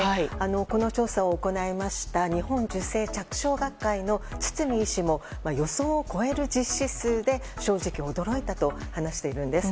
この調査を行いました日本受精着床学会の堤医師も、予想を超える実施数で正直、驚いたと話しているんです。